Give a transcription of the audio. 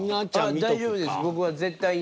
ああ大丈夫です僕は絶対に。